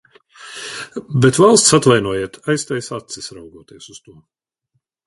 Bet valsts, atvainojiet, aiztaisa acis, raugoties uz to.